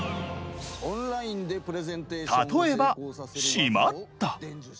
例えば「しまった！」。